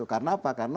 karena apa karena